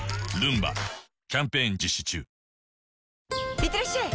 いってらっしゃい！